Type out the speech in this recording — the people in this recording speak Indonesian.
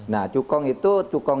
nah cukong itu